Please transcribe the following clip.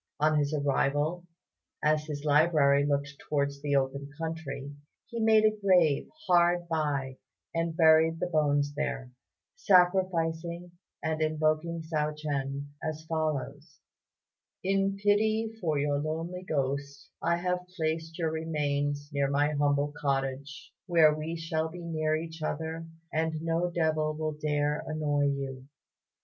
On his arrival, as his library looked towards the open country, he made a grave hard by and buried the bones there, sacrificing, and invoking Hsiao ch'ien as follows: "In pity for your lonely ghost, I have placed your remains near my humble cottage, where we shall be near each other, and no devil will dare annoy you.